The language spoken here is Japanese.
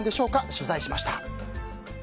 取材しました。